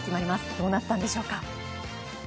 どうなったんでしょうか。